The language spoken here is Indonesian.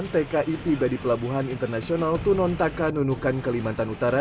dua ratus tiga puluh sembilan tki tiba di pelabuhan internasional tunontaka nunukan kelimantan utara